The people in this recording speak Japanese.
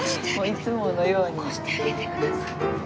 いつものように。起こしてあげてください。